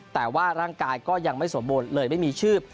แต่ว่าร่างกายก็ยังไม่สมบูรณ์เลยไม่มีชื่อ